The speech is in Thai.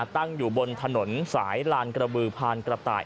ตั้งอยู่บนถนนสายลานกระบือพานกระต่าย